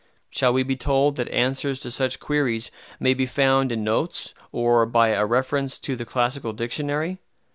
Shall we be told that answers to such queries may be found in notes, or by a reference to the Classical Dictionary?